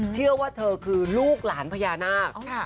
เชื่อว่าเธอคือลูกหลานพญานาค